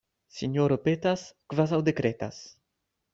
Sinjoro petas, kvazaŭ dekretas.